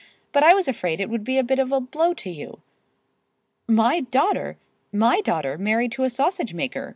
But I was afraid it would be a bit of a blow to you." "My daughter—my daughter married to a sausage maker!"